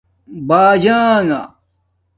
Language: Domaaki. باجنݣ